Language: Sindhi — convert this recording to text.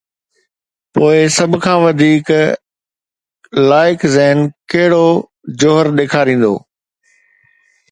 پوءِ سڀ کان وڌيڪ لائق ذهن ڪهڙو جوهر ڏيکاريندو؟